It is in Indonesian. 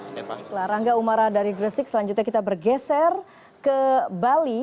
sehingga umara dari gresik selanjutnya kita bergeser ke bali